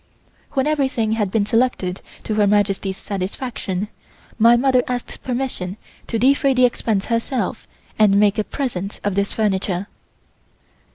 When everything had been selected to Her Majesty's satisfaction, my mother asked permission to defray the expense herself and make a present of this furniture.